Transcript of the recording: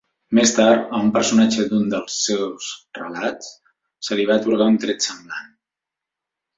Més tard, a un personatge d'un dels reus relats se li va atorgar un tret semblant.